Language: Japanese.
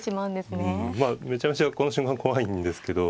うんまあめちゃめちゃこの瞬間怖いんですけど。